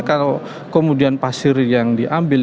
kalau kemudian pasir yang diambil